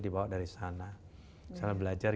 dibawa dari sana cara belajar